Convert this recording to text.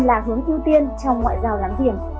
như ưu tiên trong ngoại giao láng giềng